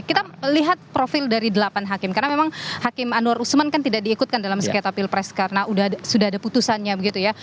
kita lihat profil dari delapan hakim karena memang hakim anwar usman kan tidak diikutkan dalam seketa pilpres karena sudah ada putusannya begitu ya